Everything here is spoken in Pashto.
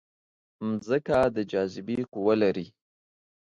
مځکه د جاذبې قوه لري.